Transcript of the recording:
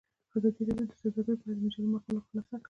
ازادي راډیو د سوداګري په اړه د مجلو مقالو خلاصه کړې.